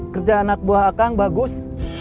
kerja anak buah a kang bagus